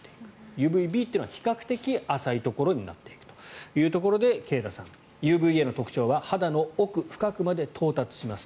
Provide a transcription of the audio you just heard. ＵＶＢというのは比較的浅いところになっているということで慶田さん、ＵＶＡの特徴は肌の奥深くまで到達します。